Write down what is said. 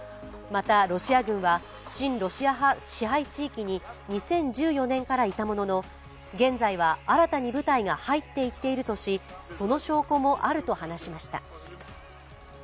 また、ロシア軍は親ロシア派支配地域に２０１４年からいたものの現在は新たに部隊が入っていっているとしその証拠もあると話しました。